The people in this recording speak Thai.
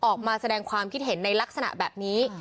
ออกมาแสดงความคิดเห็นในลักษณะแบบนี้